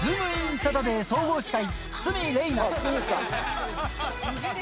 サタデー総合司会、鷲見玲奈。